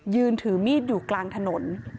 ยืนถือมีดอยู่กลางถนน